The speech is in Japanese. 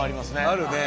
あるね。